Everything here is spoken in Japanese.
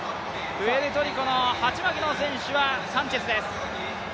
プエルトリコの鉢巻きの選手はサンチェスです。